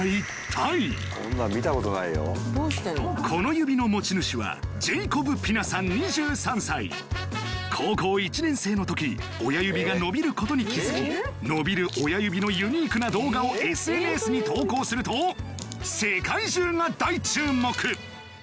この指の持ち主は高校１年生の時親指が伸びることに気づき伸びる親指のユニークな動画をＳＮＳに投稿すると世界中が大注目！